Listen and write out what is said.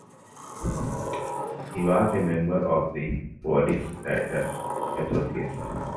He was a member of the Polish Writers' Association.